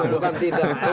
ini itu taksi